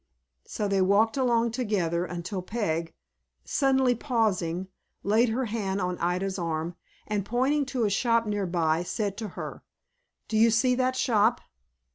So they walked along together, until Peg, suddenly pausing, laid her hand on Ida's arm, and pointing to a shop near by, said to her, "Do you see that shop?"